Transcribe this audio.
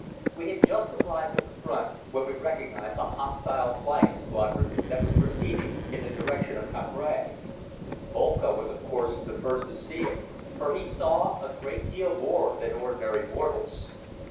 We had just arrived at the Front when we recognized a hostile flying squadron that was proceeding in the direction of Cambrai. Boelcke was of course the first to see it, for he saw a great deal more than ordinary mortals.